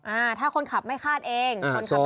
อ่าถ้าคนขับไม่ฆาตเอง